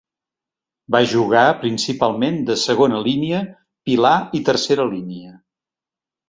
Va jugar principalment de segona línia, pilar i tercera línia.